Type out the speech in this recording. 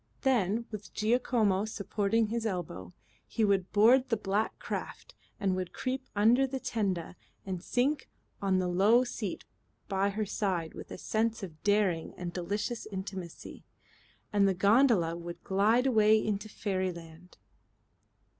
Then, with Giacomo supporting his elbow, he would board the black craft and would creep under the tenda and sink on the low seat by her side with a sense of daring and delicious intimacy, and the gondola would glide away into fairyland.